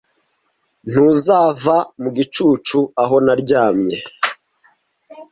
ntuzava mu gicucu aho naryamye